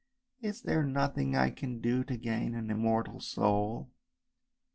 Is there nothing I can do to gain an immortal soul?